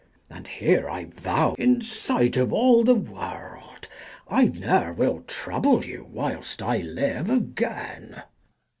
And here I vow in sight of all the world, I ne'er will trouble you whilst I live again.